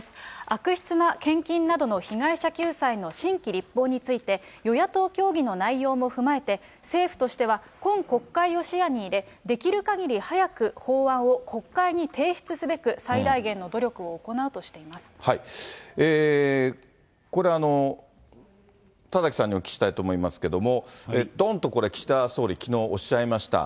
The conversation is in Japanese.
悪質な献金などの被害者救済の新規立法について、与野党協議の内容も踏まえて、政府としては今国会を視野に入れ、できるかぎり早く法案を国会に提出すべく、最大限の努力を行うとこれ、田崎さんにお聞きしたいと思いますけれども、どんとこれ、岸田総理、きのう、おっしゃいました。